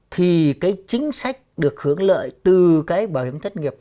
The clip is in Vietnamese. thì cái chính sách được hưởng lợi từ cái bảo hiểm thất nghiệp